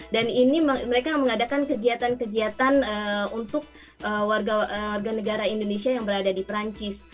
dan ini mereka mengadakan kegiatan kegiatan untuk warga negara indonesia yang berada di perancis